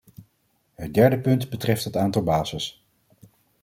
Het derde punt betreft het aantal bases.